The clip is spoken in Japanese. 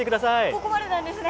ここまでなんですね。